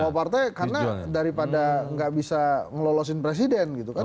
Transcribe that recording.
mau partai karena daripada nggak bisa ngelolosin presiden gitu kan